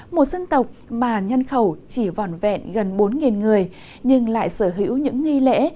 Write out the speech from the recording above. một dân tộc mà nhân khẩu chỉ vòn vẹn gần bốn người nhưng lại sở hữu những nghi lễ